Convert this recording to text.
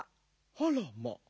あらまあ。